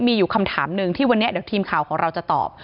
มีอยู่คำถามหนึ่งที่วันนี้เดี๋ยวทีมข่าวของเราจะตอบ